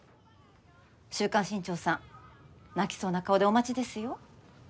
「週刊新潮」さん泣きそうな顔でお待ちですよ。